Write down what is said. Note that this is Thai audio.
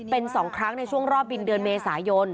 เป็น๒ครั้งในช่วงรอบบินเดือนเมษายน